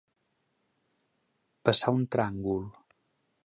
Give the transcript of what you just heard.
Passar un tràngol.